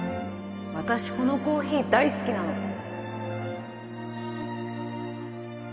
私このコーヒー大好きなの